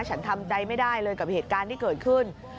ทำใจไม่ได้เลยกับเหตุการณ์ที่เกิดขึ้น